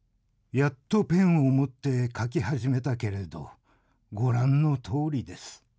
やっとペンを持ってかき始めたけれど、ご覧のとおりです。